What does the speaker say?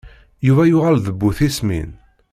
Yuba yuɣal d bu tismin.